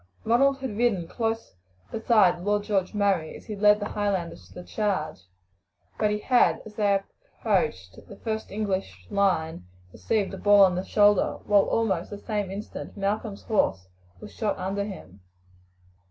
Ronald had ridden close beside Lord George Murray as he led the Highlanders to the charge; but he had, as they approached the first English line, received a ball in the shoulder, while almost at the same instant Malcolm's horse was shot under him.